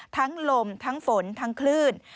ลมทั้งฝนทั้งคลื่น